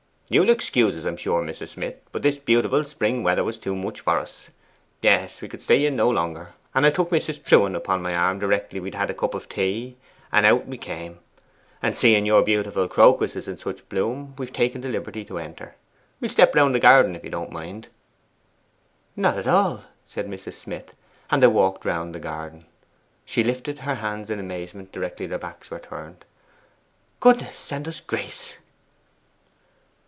'You'll excuse us, I'm sure, Mrs. Smith, but this beautiful spring weather was too much for us. Yes, and we could stay in no longer; and I took Mrs. Trewen upon my arm directly we'd had a cup of tea, and out we came. And seeing your beautiful crocuses in such a bloom, we've taken the liberty to enter. We'll step round the garden, if you don't mind.' 'Not at all,' said Mrs. Smith; and they walked round the garden. She lifted her hands in amazement directly their backs were turned. 'Goodness send us grace!